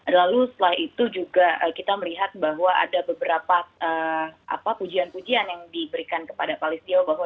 lalu setelah itu juga kita melihat bahwa ada beberapa pujian pujian yang diberikan kepada pak listio bahwa